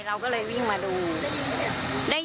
มันเป็นแบบที่สุดท้าย